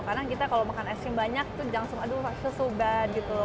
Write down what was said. karena kita kalau makan ice cream banyak tuh jangan so bad gitu loh